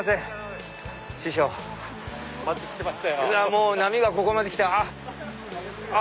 もう波がここまで来て。